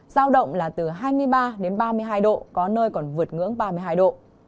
giao động là từ hai mươi ba đến ba mươi hai độ có nơi còn vượt ngưỡng ba mươi hai độ